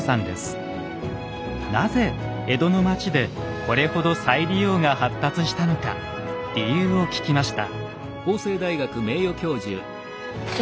なぜ江戸の町でこれほど再利用が発達したのか理由を聞きました。